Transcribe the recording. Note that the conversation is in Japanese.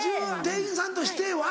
店員さんとしては。